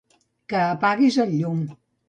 Que apaguis el llum.